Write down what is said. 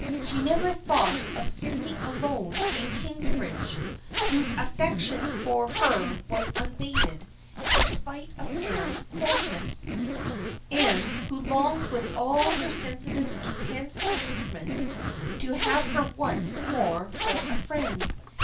She never thought of Sydney alone in Kingsbridge, whose affection for her was unabated in spite of Anne's coldness, and who longed with all her sensitive, intense tempera ment to have her once more for a friend.